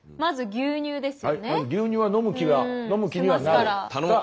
牛乳は飲む気にはなる。